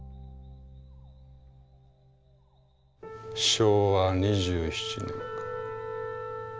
昭和２７年か。